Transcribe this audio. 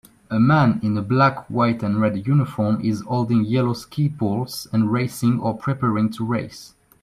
A man in a black white and red uniform is holding yellow ski poles and racing or preparing to race